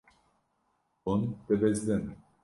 Hûn dibizdin.